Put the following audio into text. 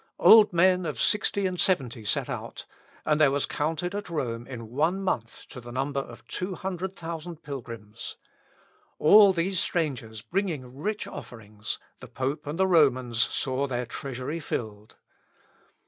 Old men of sixty and seventy set out, and there was counted at Rome in one month to the number of two hundred thousand pilgrims. All these strangers bringing rich offerings, the pope and the Romans saw their treasury filled.